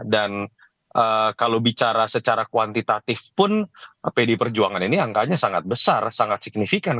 dan kalau bicara secara kuantitatif pun pdi perjuangan ini angkanya sangat besar sangat signifikan